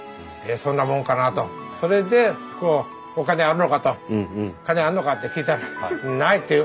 それでお金あるのかと金あんのかって聞いたらないって言う。